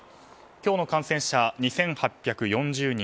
今日の感染者、２８４０人。